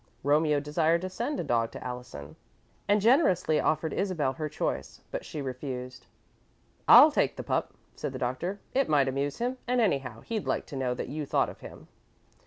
Romeo desired to send a dog to Allison, and generously offered Isabel her choice, but she refused. "I'll take the pup," said the Doctor. "It might amuse him, and anyhow, he'd like to know that you thought of him."